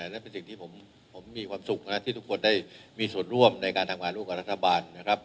นั่นเป็นสิ่งที่ผมมีความสุขนะที่ทุกคนได้มีส่วนร่วมในการทำงานร่วมกับรัฐบาลนะครับ